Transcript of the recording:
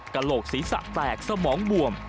กระโหลกศีรษะแตกสมองบวม